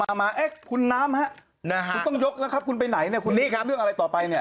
เอามาคุณน้ำครับคุณต้องยกนะครับคุณไปไหนนะคุณเรื่องอะไรต่อไปนี่